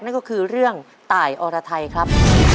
นั่นก็คือเรื่องตายอรไทยครับ